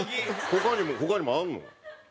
他にも他にもあるの？